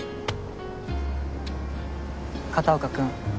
片岡君